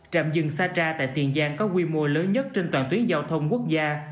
trạm dường sa tra tại tiền giang có quy mô lớn nhất trên toàn tuyến giao thông quốc gia